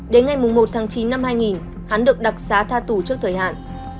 đến ngày một tháng chín năm hai nghìn hắn được đặc xá tha tù trước thời hạn